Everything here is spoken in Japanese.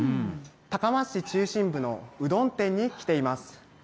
高松市中心部のうどん店に来ています。